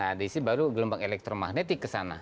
nah disini baru gelombang elektromagnetik kesana